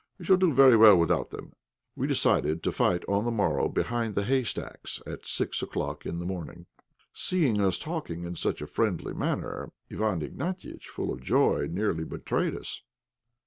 "We shall do very well without them." We decided to fight on the morrow behind the haystacks, at six o'clock in the morning. Seeing us talking in such a friendly manner, Iwán Ignatiitch, full of joy, nearly betrayed us.